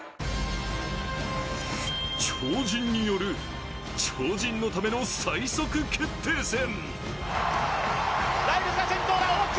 超人による超人のための最速決定戦。